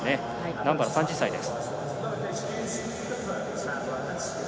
ナンバラは３０歳です。